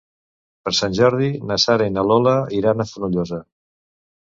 Per Sant Jordi na Sara i na Lola iran a Fonollosa.